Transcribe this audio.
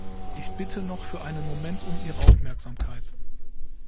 Ich bitte noch für einen Moment um Ihre Aufmerksamkeit.